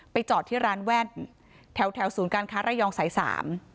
จอดที่ร้านแว่นแถวแถวศูนย์การค้าระยองสายสาม